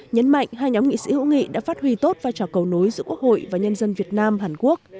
nhấn mạnh hai nhóm nghị sĩ hữu nghị đã phát huy tốt vai trò cầu nối giữa quốc hội và nhân dân việt nam hàn quốc